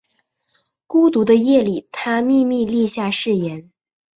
孤独的夜里他秘密立下誓言